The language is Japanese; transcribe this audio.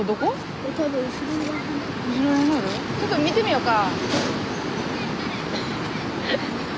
ちょっと見てみようか。